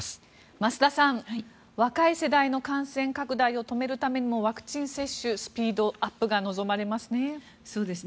増田さん、若い世代の感染拡大を止めるためにもワクチン接種のスピードアップが望まれますね。